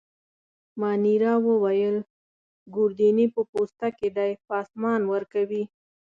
مانیرا وویل: ګوردیني په پوسته کي دی، پاسمان ورکوي.